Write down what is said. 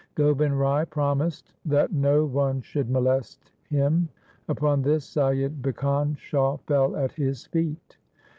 Gobind Rai promised that no one should molest him. Upon this Saiyid Bhikan Shah fell at his feet.